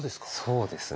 そうですね。